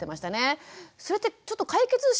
それってちょっと解決しないのでは？